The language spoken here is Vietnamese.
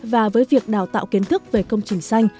và với việc đào tạo kiến thức về công trình xanh